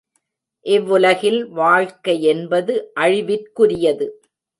இவ்வுலகில் வாழ்க்கையென்பது அழிவிற்குரியது.